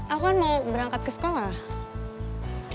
aku kan mau berangkat ke sekolah